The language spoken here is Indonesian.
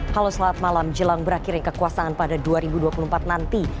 halo selamat malam jelang berakhirnya kekuasaan pada dua ribu dua puluh empat nanti